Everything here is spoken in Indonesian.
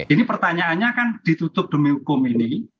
ini pertanyaannya kan ditutup demi hukum ini